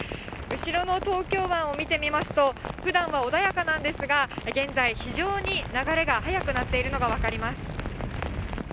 後ろの東京湾を見てみますと、ふだんは穏やかなんですが、現在、非常に流れが速くなっているのが分かります。